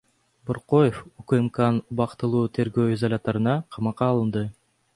Боркоев УКМКнын убактылуу тергөө изоляторуна камакка алынды.